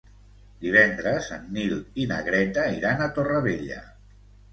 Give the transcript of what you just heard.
Divendres en Nil i na Greta iran a Torrevella.